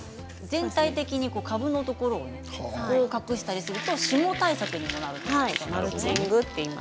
全体的に株のところを隠したりすると霜対策になると。